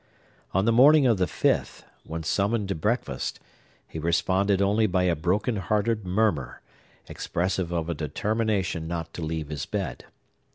On the morning of the fifth, when summoned to breakfast, he responded only by a broken hearted murmur, expressive of a determination not to leave his bed.